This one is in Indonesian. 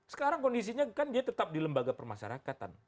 sekarang kondisinya kan dia tetap di lembaga permasyarakatan